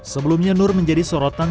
sebelumnya nur menjadi sorotan